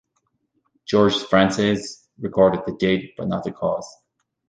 George Sphrantzes recorded the date but not the cause.